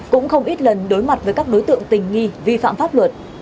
cũng không ít lần đối mặt với các đối tượng tình nghi vi phạm pháp luật